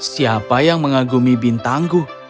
siapa yang mengagumi bintangku